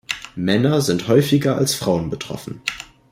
Männer sind häufiger als Frauen betroffen.